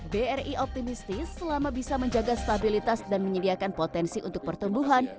bri optimistis selama bisa menjaga stabilitas dan menyediakan potensi untuk pertumbuhan